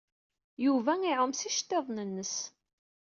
Yuba iɛum s yiceḍḍiḍen-nnes.